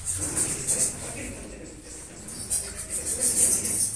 Normalmente se añaden, aparte, los datos de precipitación anual total y temperatura media anual.